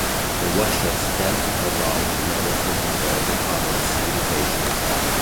The Watchers then took a vow never to interfere with other civilizations.